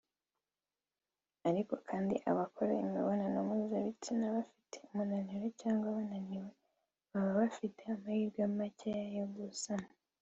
Ariko kandi abakora imibonano mpuzabitsina bafite umunabi cyangwa bananiwe baba bafite Amahirwe makeya yo gusama